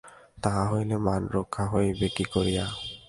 তাহা হইলে মান রক্ষা হইবে কি করিয়া?